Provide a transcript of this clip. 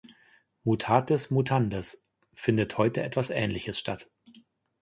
Mutatis mutandis, findet heute etwas Ähnliches statt.